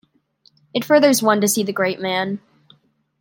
It furthers one to see the great man.